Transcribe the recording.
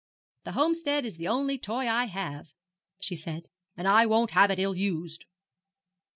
'The Homestead is the only toy I have,' she said,' and I won't have it ill used.'